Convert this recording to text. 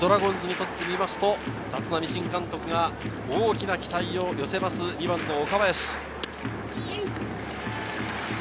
ドラゴンズにとって見ますと立浪新監督が大きな期待を寄せます、２番の岡林。